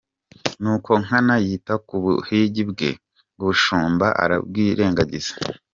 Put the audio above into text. Nuko Nkana yita ku buhigi bwe, ubushumba arabwirengagiza.